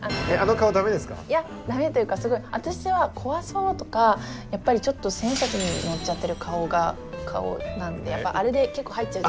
いやだめというか私は怖そうとかやっぱりちょっと千円札に載っちゃってる顔が顔なんであれで結構入っちゃう。